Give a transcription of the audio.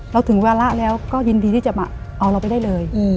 ถึงวาระแล้วก็ยินดีที่จะมาเอาเราไปได้เลย